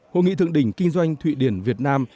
hội nghị thượng đỉnh kinh doanh thụy điển việt nam